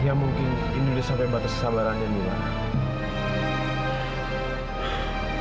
ya mungkin indi sudah sampai batas kesabarannya mbak